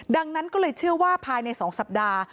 ดังนั้นก็เลยเชื่อว่าภายใน๒สัปดาห์